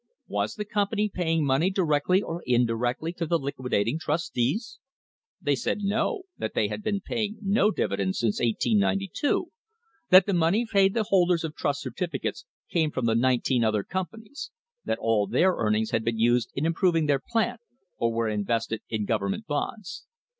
Was the company paying money directly or indirectly to the liqui dating trustees? They said no, that they had been paying no dividends since 1892, that the money paid the holders of trust certificates came from the other nineteen companies, that all their earnings had been used in improving their plant, or were invested in government bonds.